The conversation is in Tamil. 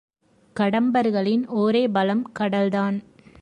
கடம்பர்களின் ஒரே பலம் கடல்தான்.